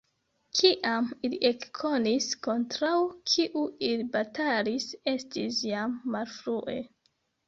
Kiam ili ekkonis kontraŭ kiu ili batalis, estis jam malfrue.